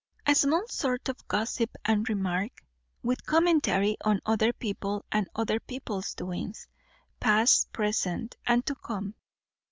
A small sort of gossip and remark, with commentary, on other people and other people's doings, past, present, and to come.